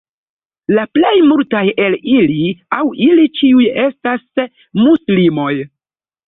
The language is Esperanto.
La plej multaj el ili aŭ ili ĉiuj estas muslimoj.